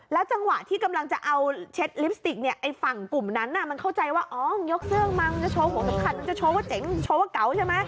จังหวะที่กำลังจะเอาเช็ดลิปสติกเนี่ยไอ้ฝั่งกลุ่มนั้นมันเข้าใจว่าอ๋อยกเสื้อมังจะโชว์หัวสำคัญมันจะโชว์ว่าเจ๋งโชว์ว่าเก๋าใช่ไหม